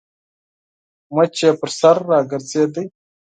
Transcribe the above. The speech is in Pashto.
مچ يې پر سر راګرځېده.